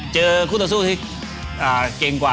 เจอคู่ต่อสู้ที่เก่งกว่า